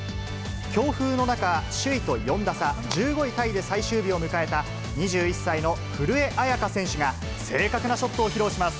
強風の中、首位と４打差、１５位タイで最終日を迎えた、２１歳の古江彩佳選手が、正確なショットを披露します。